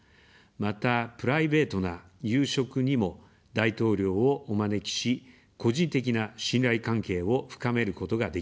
また、プライベートな夕食にも大統領をお招きし、個人的な信頼関係を深めることができました。